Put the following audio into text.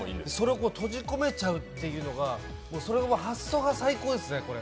それを閉じ込めちゃうっていうそれが発想が最高ですね。